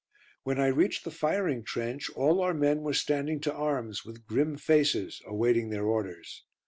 When I reached the firing trench all our men were standing to arms, with grim faces, awaiting their orders.